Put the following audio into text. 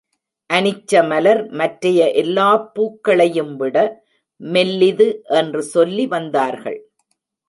அனிச்ச மலர் மற்றைய எல்லாப் பூக்களையும் விட மெல்லிது என்று சொல்லி வந்தார்கள்.